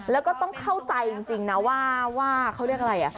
แล้วก็ต้องเข้าใจจริงนะว่าเขาเรียกอะไร